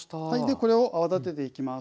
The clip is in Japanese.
これを泡立てていきます。